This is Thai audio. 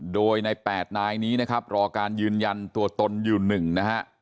โดยใน๘นายนี้นะครับรอการยืนยันตัวตนอยู่๑นะฮะ